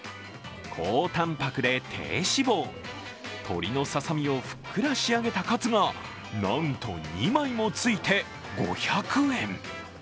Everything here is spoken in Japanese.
高たんぱくで低脂肪鶏のささみをふっくら仕上げたかつがなんと２枚もついて５００円。